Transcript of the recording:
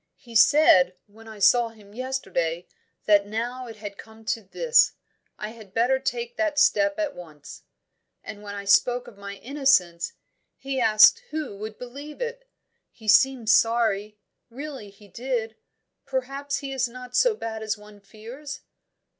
"He said, when I saw him yesterday, that now it had come to this, I had better take that step at once. And when I spoke of my innocence, he asked who would believe it? He seemed sorry; really he did. Perhaps he is not so bad as one fears?"